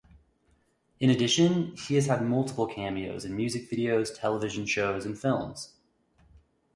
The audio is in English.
In addition, he has had multiple cameos in music videos, television shows, and films.